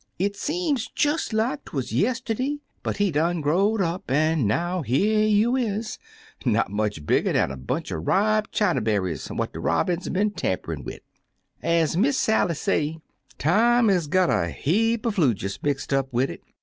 It seem jus' like 'twuz yistiddy, but he done grow^d up, an' now here you is, not much bigger dan a bunch er ripe chanyberries what de robins been tamperin' wid. Ez Miss Sally say, Time is got a heaper flewjus mixt up wid it.